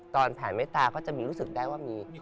แผ่เมตตาก็จะมีรู้สึกได้ว่ามี